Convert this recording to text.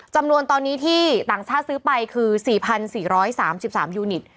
จำนวนตอนนี้ที่ต่างชาติซื้อไปคือ๔๔๓๓ยูนิต